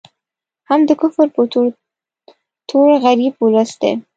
هم د کفر په تور، تور غریب ولس دی